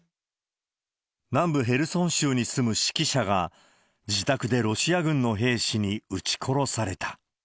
南部ヘルソン州に住む指揮者が、自宅でロシア軍の兵士に撃ち殺された。